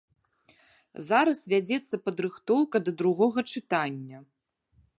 Зараз вядзецца падрыхтоўка да другога чытання.